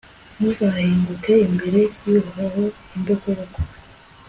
ntuzahinguke imbere y'uhoraho imbokoboko